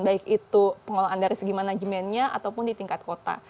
baik itu pengelolaan dari segi manajemennya ataupun di tingkat kota